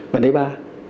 bản đế ba